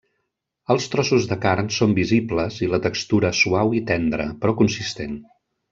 Els trossos de carn són visibles i la textura suau i tendra, però consistent.